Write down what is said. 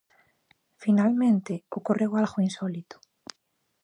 Finalmente, ocorreu algo insólito.